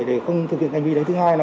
để không thực hiện hành vi đánh